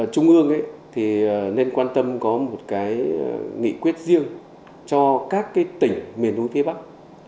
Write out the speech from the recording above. trung ương nên quan tâm có một nghị quyết riêng cho các tỉnh miền núi phía bắc